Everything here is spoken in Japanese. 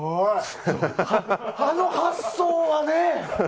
あの発想はね。